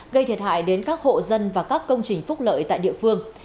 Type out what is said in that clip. gây thiệt hại đến các hộ dân và các công trình phúc lợi tại địa phương